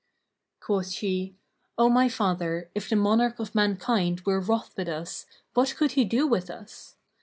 Quoth she "O my father, if the monarch of mankind were wroth with us, what could he do with us?"